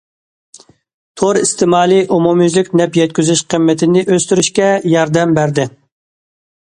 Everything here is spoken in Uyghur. تور ئىستېمالى ئومۇميۈزلۈك نەپ يەتكۈزۈش قىممىتىنى ئۆستۈرۈشكە ياردەم بەردى.